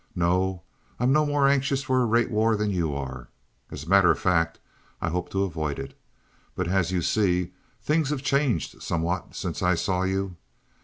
No, I'm no more anxious for a rate war than you are. As a matter of fact, I hope to avoid it; but, as you see, things have changed somewhat since I saw you.